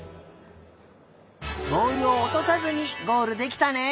ぼおるをおとさずにゴールできたね。